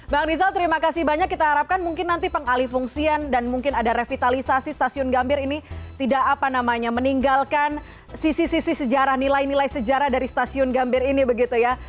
bang rizal terima kasih banyak kita harapkan mungkin nanti pengalih fungsian dan mungkin ada revitalisasi stasiun gambir ini tidak apa namanya meninggalkan sisi sisi sejarah nilai nilai sejarah dari stasiun gambir ini begitu ya